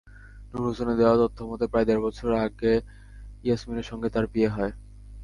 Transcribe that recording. নূর হোসেনের দেওয়া তথ্যমতে, প্রায় দেড় বছর আগে ইয়াসমিনের সঙ্গে তাঁর বিয়ে হয়।